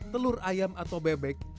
telur ayam atau bebek